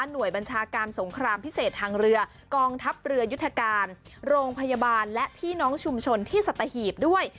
บัญชาการสงครามพิเศษทางเรือกองทัพเรือยุทธการโรงพยาบาลและพี่น้องชุมชนที่สัตหีบด้วย